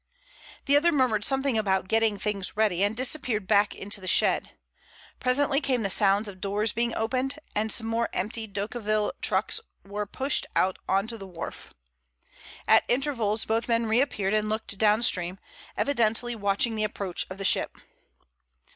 The other murmured something about "getting things ready," and disappeared back into the shed. Presently came the sounds of doors being opened, and some more empty Decauville trucks were pushed out on to the wharf. At intervals both men reappeared and looked down stream, evidently watching the approach of the ship.